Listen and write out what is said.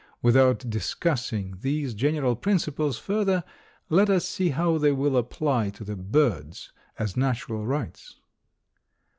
Without discussing these general principles further let us see how they will apply to the birds as natural rights.